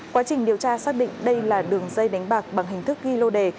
quá trình điều tra xác định đây là đường dây đánh bạc bằng hình thức ghi lô đề